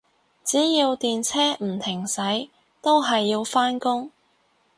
只要電車唔停駛，都係要返工